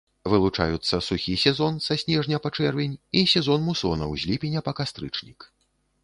Вылучаюцца сухі сезон са снежня па чэрвень і сезон мусонаў з ліпеня па кастрычнік.